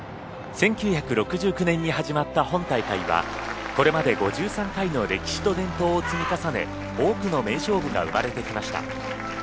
１９６９年に始まった本大会はこれまで５３回の歴史と伝統を積み重ね多くの名勝負が生まれてきました。